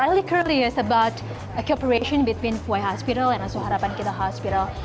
saya sedang berbicara tentang perserahan antara puhai hospital dan harapan kita hospital